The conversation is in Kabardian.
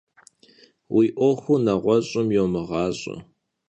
Vui 'Uexur neğueş'ım yiumığaş'e.